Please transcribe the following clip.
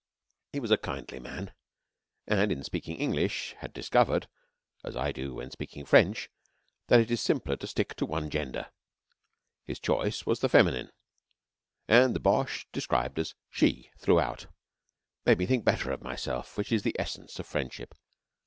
He was a kindly man, and in speaking English had discovered (as I do when speaking French) that it is simpler to stick to one gender. His choice was the feminine, and the Boche described as "she" throughout made me think better of myself, which is the essence of friendship.